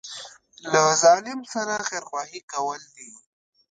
له ظالم سره خیرخواهي کول دي.